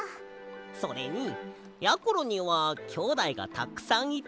それにやころにはきょうだいがたくさんいてたのしそうだよな！